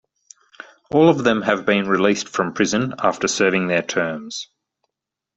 All of them have been released from prison after serving their terms.